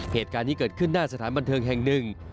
เหตุการณ์นี้เกิดขึ้นหน้าสถานบันเทิงแห่งหนึ่ง